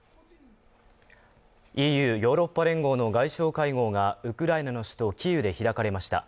ＥＵ＝ヨーロッパ連合の外相会合がウクライナの首都キーウで開かれました。